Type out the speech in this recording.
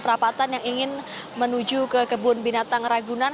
perapatan yang ingin menuju ke kebun binatang ragunan